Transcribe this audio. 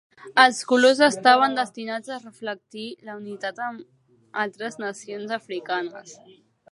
Els colors estaven destinats a reflectir la unitat amb altres nacions africanes.